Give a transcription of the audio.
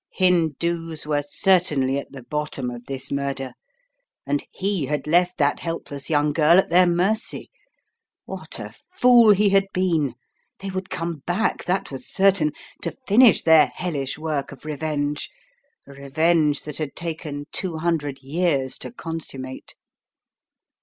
Hin doos were certainly at the bottom of this murder; and he had left that helpless young girl at their mercy! What a fool he had been! They would come back, that was certain, to finish their hellish work of re venge — a revenge that had taken two hundred years to consummate.